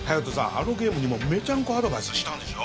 あのゲームにもメチャンコアドバイスしたんでしょ？